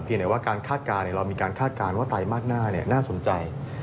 เพียงแต่ว่าการคาดการณ์เรามีการคาดการณ์ว่าตายมากหน้าน่าน่าสนใจ